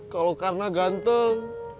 kalau karena ganteng